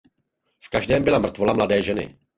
V každém byla mrtvola mladé ženy.